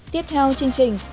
tiếp theo chương trình